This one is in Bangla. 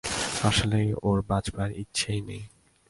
আসলে ওর বেচবার ইচ্ছেই নেই!